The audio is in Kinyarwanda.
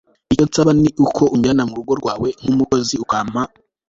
icyo nsaba ni uko unjyana mu rugo rwawe, nk'umukozi, ukampa